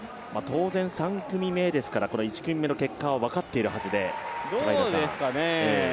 当然３組目ですから、１組目の結果は分かっているはずですが。